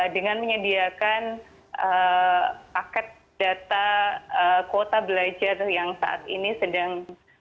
dengan menyediakan paket data kuota belajar yang saat ini sedang